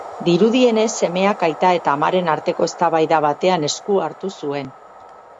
Dirudienez, semeak aita eta amaren arteko eztabaida batean esku hartu zuen.